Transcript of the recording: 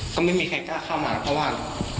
ก็ไม่มีใครกล้าเข้ามาเพราะว่า